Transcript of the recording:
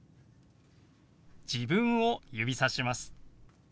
自分を指さします。